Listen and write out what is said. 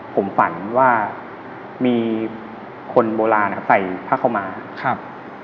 ผมฝันว่ามีคนโบราณนะครับใส่ผ้าเข้ามาครับ